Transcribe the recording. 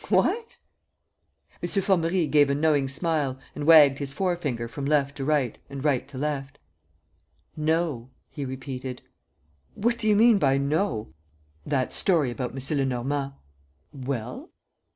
"What!" M. Formerie gave a knowing smile and wagged his forefinger from left to right and right to left: "No," he repeated. "What do you mean by 'no'?" "That story about M. Lenormand. ..."